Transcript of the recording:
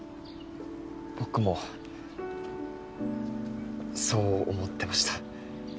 僕もそう思ってました。